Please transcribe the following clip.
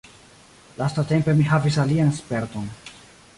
Lastatempe mi havis alian sperton.